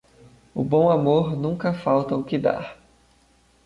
O bom amor nunca falta o que dar.